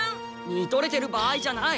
見とれてる場合じゃない。